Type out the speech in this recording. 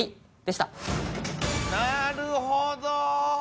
なるほど！